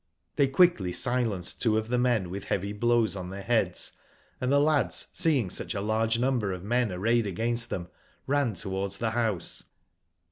They quickly silenced two of the men with heavy blows on their heads, and the lads, seeing such a large number of men arrayed against them, ran towards the house.